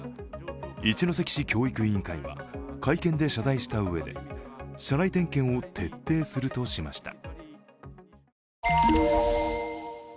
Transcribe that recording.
一関市教育委員会は会見で謝罪したうえで車内点検を徹底するとしました。